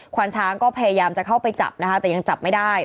วานช้างก็พยายามจะเข้าไปจับนะคะแต่ยังจับไม่ได้